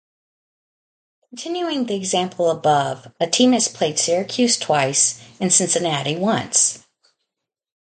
Continuing the example above, a team has played Syracuse twice and Cincinnati once.